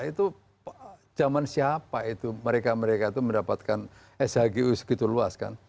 itu zaman siapa itu mereka mereka itu mendapatkan shgu segitu luas kan